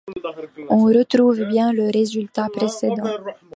On retrouve bien le résultat précédent.